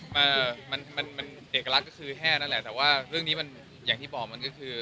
มามันมันเอกลักษณ์ก็คือแห้นั่นแหละแต่ว่าเรื่องนี้มันอย่างที่บอกมันก็คือ